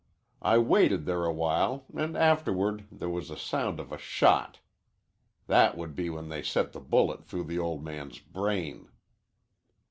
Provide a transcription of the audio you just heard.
I waited there awhile an' afterward there was the sound of a shot. That would be when they sent the bullet through the old man's brain."